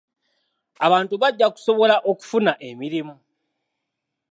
Abantu bajja kusobola okufuna emirimu.